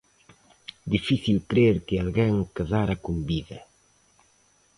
Difícil crer que alguén quedara con vida.